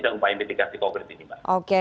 dan upaya mitigasi kogresi ini mbak oke